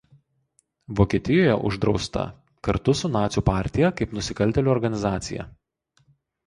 Vokietijoje uždrausta kartu su nacių partija kaip nusikaltėlių organizacija.